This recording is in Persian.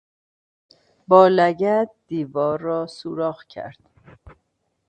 با لگد دیوار را سوراخ کرد.